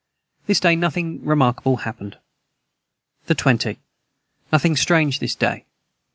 This day nothing remarkable hapned. the 20. Nothing strange this day.